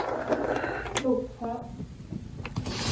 หนุกฮะ